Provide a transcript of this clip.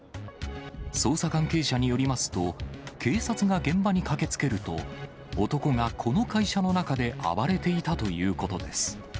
捜査関係者によりますと、警察が現場に駆けつけると、男がこの会社の中で暴れていたということです。